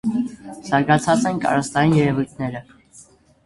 Զարգացած են կարստային երևույթները։